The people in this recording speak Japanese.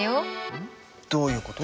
どういうこと？